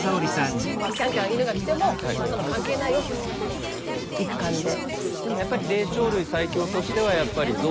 キャンキャン犬が来てもそんなの関係ないよといく感じで。